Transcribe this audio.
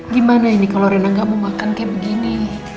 gimana ini kalau rena gak mau makan kayak begini